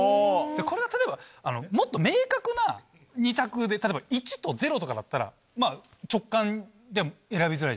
これは例えばもっと明確な二択で例えば「１」と「０」とかだったら直感で選びづらいじゃないですか。